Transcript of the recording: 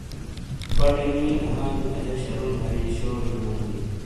پٹے نیلے ہاں نی اجا شَرُون ہری شوجے ویونی بئیں۔